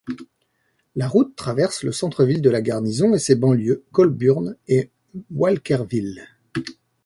La route traverse le centre-ville de la garnison et ses banlieues, Colburn et Walkerville.